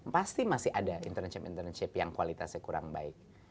pasti masih ada internship internship yang kualitasnya kurang baik